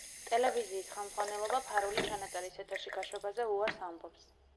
ტელევიზიის ხელმძღვანელობა ფარული ჩანაწერის ეთერში გაშვებაზე უარს ამბობს.